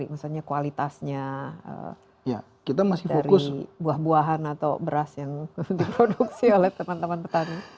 misalnya kualitasnya dari buah buahan atau beras yang diproduksi oleh teman teman petani